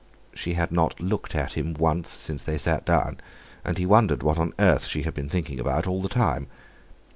She had not looked at him once since they sat down; and he wondered what on earth she had been thinking about all the time.